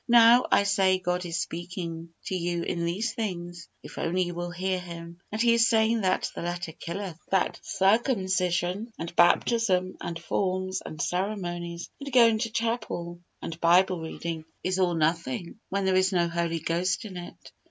Now, I say, God is speaking to you in these things, if only you will hear Him, and He is saying that the letter killeth, that circumcision, and baptism, and forms, and ceremonies, and going to chapel, and Bible reading, is all nothing, when there is no Holy Ghost in it.